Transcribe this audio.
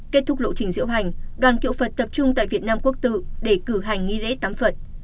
kết thúc lộ trình diễu hành đoàn kiệu phật tập trung tại việt nam quốc tự để cử hành nghi lễ tắm phật